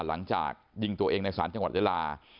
หลังจากยิงตัวเองในศาลจังหวัดยาลา